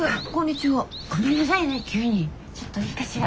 ちょっといいかしら。